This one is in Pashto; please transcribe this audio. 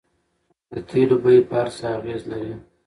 د تیلو بیې په هر څه اغیز لري.